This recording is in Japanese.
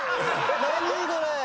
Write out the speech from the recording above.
何⁉これ！